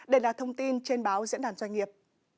đây là thông tin trên báo diễn đàn doanh nghiệp